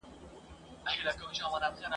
که راځې وروستی دیدن دی لګولي مي ډېوې دي ..